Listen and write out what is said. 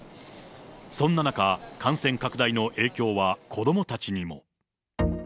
そんな中、感染拡大の影響は、子どもたちにも。